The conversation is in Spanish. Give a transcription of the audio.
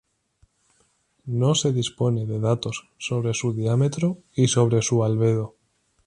No se dispone de datos sobre su diámetro y sobre su albedo.